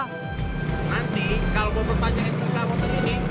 nanti kalau mau bertanya ssk motor ini